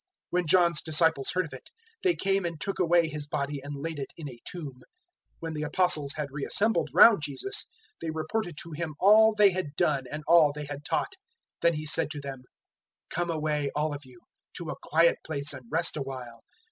006:029 When John's disciples heard of it, they came and took away his body and laid it in a tomb. 006:030 When the Apostles had re assembled round Jesus, they reported to Him all they had done and all they had taught. 006:031 Then He said to them, "Come away, all of you, to a quiet place, and rest awhile."